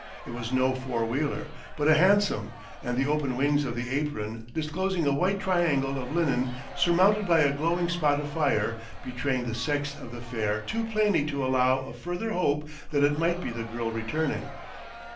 It was no four wheeler, but a hansom, and the open wings of the apron, disclosing a white triangle of linen surmounted by a glowing spot of fire, betrayed the sex of the fare too plainly to allow of further hope that it might be the girl returning.